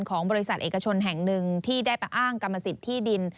ของบริษัทเอกชนแห่งหนึ่งที่ได้ไปอ้างกรรมสิทธิ์ที่ดิน